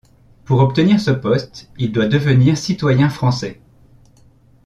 Pour obtenir ce poste, il doit devenir citoyen français.